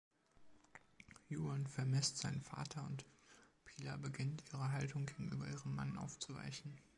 Juan vermisst seinen Vater und Pilar beginnt, ihre Haltung gegenüber ihrem Mann aufzuweichen.